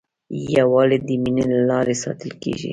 یووالی د مینې له لارې ساتل کېږي.